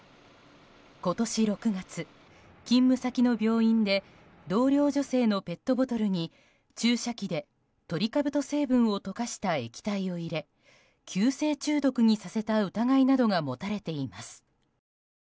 今年６月、勤務先の病院で同僚女性のペットボトルに注射器でトリカブト成分を溶かした液体を入れ急性中毒にさせた疑いなどが持たれています。